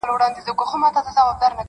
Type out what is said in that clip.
o کورنۍ ورو ورو تيت کيږي تل,